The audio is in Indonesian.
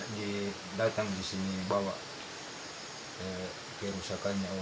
bija memiliki kemampuan untuk menjual barang yang terbaik untuk menjualnya